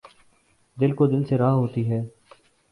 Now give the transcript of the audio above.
دل کو دل سے راہ ہوتی ہے